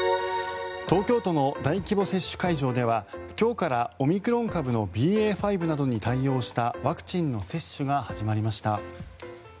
東京都の大規模接種会場では今日からオミクロン株のＢＡ．５などに対応したワクチンの接種が始まりました。